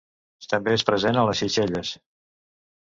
També és present a les Seychelles.